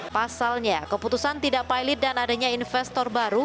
pasalnya keputusan tidak pilot dan adanya investor baru